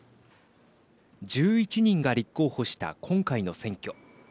１１人が立候補した今回の選挙。